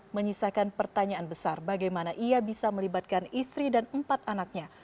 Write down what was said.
menyisakan pertanyaan besar bagaimana ia bisa melibatkan istri dan empat anaknya